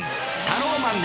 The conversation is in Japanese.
タローマン！